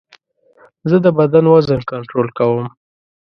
زه د بدن وزن کنټرول کوم.